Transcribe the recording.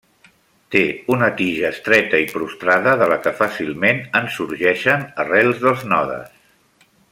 Té una tija estreta i prostrada, de la que fàcilment en sorgeixen arrels dels nodes.